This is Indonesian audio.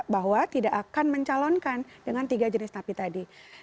bahwa tidak akan mencalonkan dengan tiga jenis tapi tadi